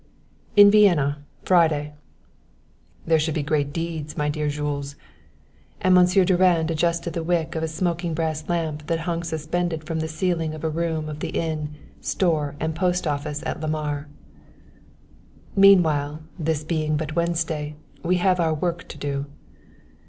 "In Vienna, Friday!" "There should be great deeds, my dear Jules;" and Monsieur Durand adjusted the wick of a smoking brass lamp that hung suspended from the ceiling of a room of the inn, store and post office at Lamar. "Meanwhile, this being but Wednesday, we have our work to do."